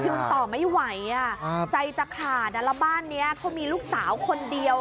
จิตต่อไม่ไหวใจจะขาดนักละบ้านนี้เค้ามีลูกสาวคนเดียว